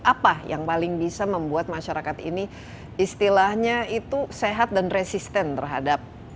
apa yang paling bisa membuat masyarakat ini istilahnya itu sehat dan resisten terhadap